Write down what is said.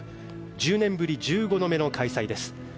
１０年ぶり１５度目の開催です。